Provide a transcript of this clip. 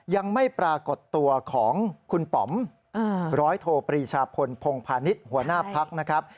ยังไม่ปรากฏตัวของคุณป๋อมร้อยโทปรีชาพลพงพาณิชย์หัวหน้าพักนะครับ